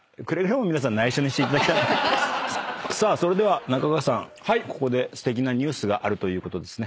さあそれでは中川さんここですてきなニュースがあるということで。